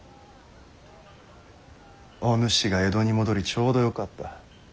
お主が江戸に戻りちょうどよかった。